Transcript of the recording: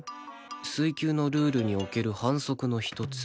「水球のルールにおける反則の一つ」